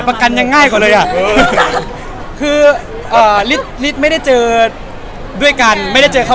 พี่เห็นไอ้เทรดเลิศเราทำไมวะไม่ลืมแล้ว